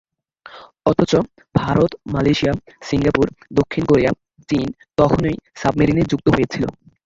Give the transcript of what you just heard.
অথচ Bharat, Malaysia, Singapore, দক্ষিণ Korea, চীন তখনই সাবমেরিনে যুক্ত হয়েছিল।